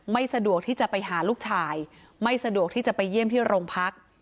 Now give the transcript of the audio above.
สะดวกที่จะไปหาลูกชายไม่สะดวกที่จะไปเยี่ยมที่โรงพัก